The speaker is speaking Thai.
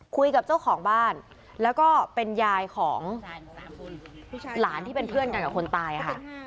คุยกับเจ้าของบ้านแล้วก็เป็นยายของหลานที่เป็นเพื่อนกันกับคนตายค่ะ